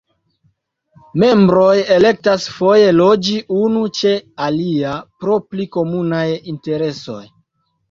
Membroj elektas foje loĝi unu ĉe alia pro pli komunaj interesoj.